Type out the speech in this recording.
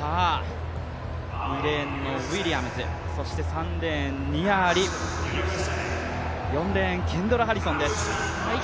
２レーンのウィリアムズ、３レーン、ニア・アリ、４レーン、ケンドラ・ハリソンです。